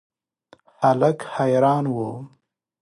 هلک حیران و.